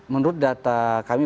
menurut data kami